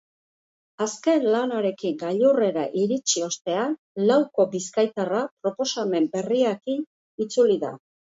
Azken lanarekin gailurrera iritsi ostean, lauko bizkaitarra proposamen berriarekin itzuli da.